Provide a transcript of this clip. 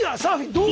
どう？